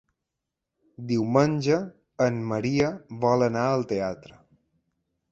Diumenge en Maria vol anar al teatre.